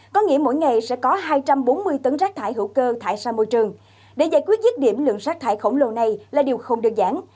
có nghĩa mỗi ngày sẽ có hai trăm bốn mươi tấn rác thải hữu cơ thải ra môi trường để giải quyết dứt điểm lượng rác thải khổng lồ này là điều không đơn giản